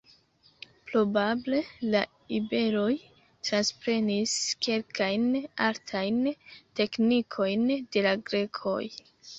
Probable la iberoj transprenis kelkajn artajn teknikojn de la grekoj.